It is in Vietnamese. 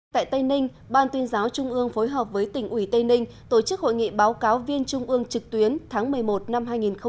tại tây ninh ban tuyên giáo trung ương phối hợp với tỉnh ủy tây ninh tổ chức hội nghị báo cáo viên trung ương trực tuyến tháng một mươi một năm hai nghìn một mươi chín